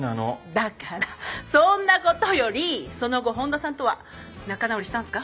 だからそんなことよりその後本田さんとは仲直りしたんすか？